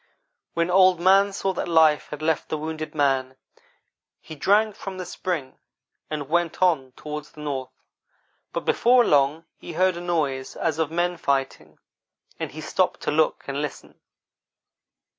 When Old man saw that life had left the wounded man, he drank from the spring, and went on toward the north, but before long he heard a noise as of men fighting, and he stopped to look and listen.